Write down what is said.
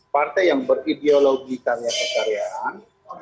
partai yang berideologi karya kekaryaan